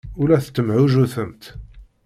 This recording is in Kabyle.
Ur la tettemɛujjutemt.